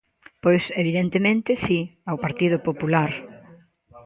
Pois, evidentemente, si, ao Partido Popular.